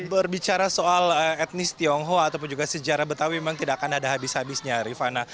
berbicara soal etnis tionghoa ataupun juga sejarah betawi memang tidak akan ada habis habisnya rifana